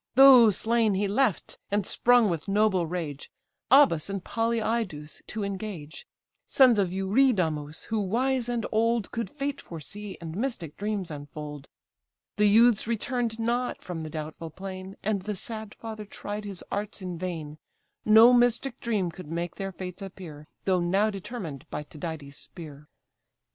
Those slain he left, and sprung with noble rage Abas and Polyidus to engage; Sons of Eurydamus, who, wise and old, Could fate foresee, and mystic dreams unfold; The youths return'd not from the doubtful plain, And the sad father tried his arts in vain; No mystic dream could make their fates appear, Though now determined by Tydides' spear.